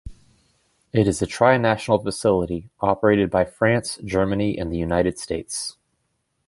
It is a tri-national facility operated by France, Germany and the United States.